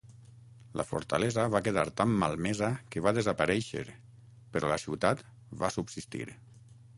La fortalesa va quedar tan malmesa que va desaparèixer, però la ciutat va subsistir.